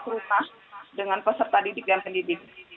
rumah dengan peserta didik dan pendidik